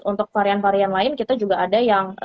untuk varian varian lain kita juga ada yang